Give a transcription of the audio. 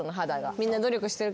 みんな努力してるけどね。